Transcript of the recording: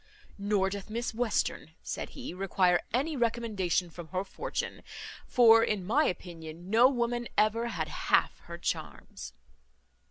"Nor doth Miss Western," said he, "require any recommendation from her fortune; for, in my opinion, no woman ever had half her charms."